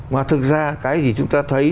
mà thực ra cái gì chúng ta thấy